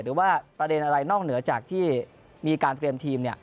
หรือว่าประเด็นอะไรนอกเหนือจากที่มีการเตรียมทีม